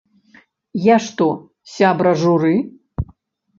Я што, сябра журы?